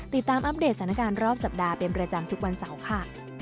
อัปเดตสถานการณ์รอบสัปดาห์เป็นประจำทุกวันเสาร์ค่ะ